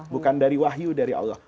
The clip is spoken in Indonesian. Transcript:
bukan dari wahyu dari allah